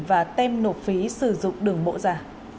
và tem nộp phí sử dụng đường mộ giả